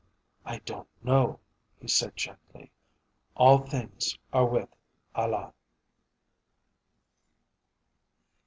"I don't know," he said gently. "All things are with Allah."